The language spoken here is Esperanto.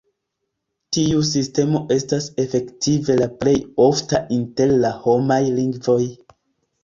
Tiu sistemo estas efektive la plej ofta inter la homaj lingvoj.